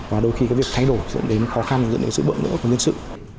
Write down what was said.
và đôi khi cái việc thay đổi dẫn đến khó khăn dẫn đến sự bợn nữa của nhân sự